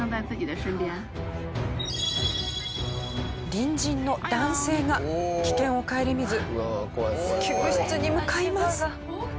隣人の男性が危険を顧みず救出に向かいます。